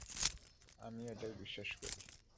আমি এটাই বিশ্বাস করি।